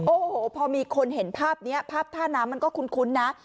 โอ้โหพอมีคนเห็นภาพนี้ภาพท่าน้ำมันก็คุ้นนะ